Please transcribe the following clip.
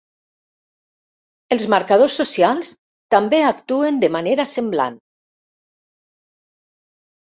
Els marcadors socials també actuen de manera semblant.